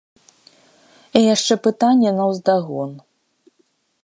І яшчэ пытанне наўздагон.